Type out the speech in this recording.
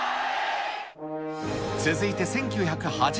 続いて１９８７年。